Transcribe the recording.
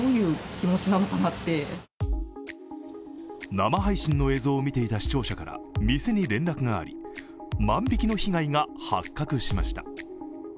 生配信の映像を見ていた視聴者から店に連絡があり万引きの被害が発覚しました。